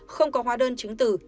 không có hóa đơn chứng từ